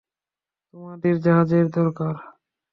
তোমাদের জাহাজের দরকার?